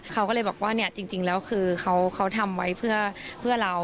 เขาก็เลยบอกว่าเนี่ยจริงแล้วคือเขาทำไว้เพื่อเรา